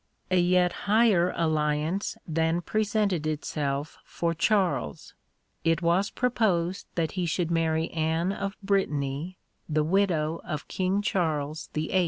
A yet higher alliance then presented itself for Charles: it was proposed that he should marry Anne of Brittany, the widow of King Charles VIII.